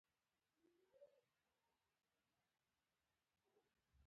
رسۍ یو زوړ او ساده اختراع ده.